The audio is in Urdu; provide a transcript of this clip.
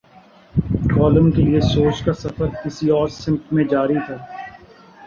کالم کے لیے سوچ کا سفر کسی اور سمت میں جاری تھا۔